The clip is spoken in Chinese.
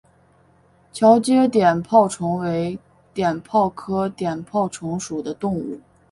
桥街碘泡虫为碘泡科碘泡虫属的动物。